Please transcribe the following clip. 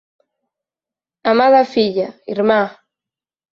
amada filla, irmá